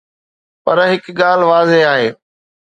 پر هڪ ڳالهه واضح آهي.